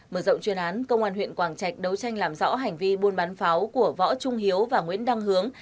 mở rộng chuyên án công an huyện quảng trạch đấu tranh làm rõ hành vi buôn bán pháo của võ trung hiếu và nguyễn đăng hướng